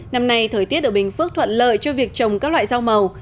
năm nay thời tiết ở bình phước thuận lợi cho việc trồng các loại rau màu